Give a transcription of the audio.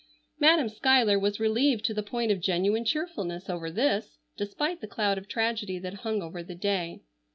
Madam Schuyler was relieved to the point of genuine cheerfulness, over this, despite the cloud of tragedy that hung over the day.